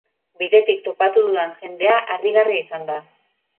Bidetik topatu dudan jendea harrigarria izan da.